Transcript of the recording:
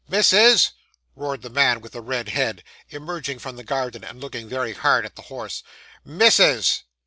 'Missus' roared the man with the red head, emerging from the garden, and looking very hard at the horse 'missus!